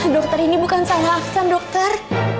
dokter ini bukan salah abdad dokter